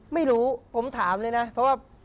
ไม่รู้ผมถามเลยนะเพราะว่า